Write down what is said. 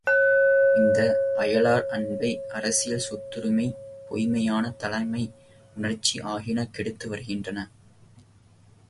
இந்த அயலார் அன்பை அரசியல் சொத்துரிமை பொய்மையான தலைமை உணர்ச்சி ஆகியன கெடுத்து வருகின்றன.